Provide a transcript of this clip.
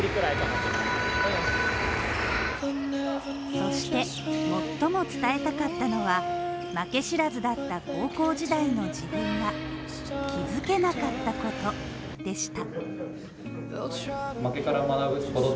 そして、最も伝えたかったのは負け知らずだった高校時代の自分が気付けなかったことでした。